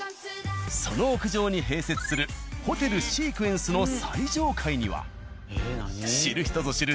その屋上に併設するホテルｓｅｑｕｅｎｃｅの最上階には知る人ぞ知る